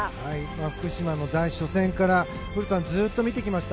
福島の初戦から古田さん、ずっと見てきました。